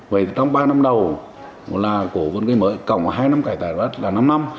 vậy thì trong ba năm đầu là của vườn cây mới cộng hai năm cải tài là năm năm